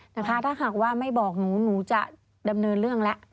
นะคะถ้าหากว่าไม่บอกหนูหนูจะดำเนินเรื่องแล้ว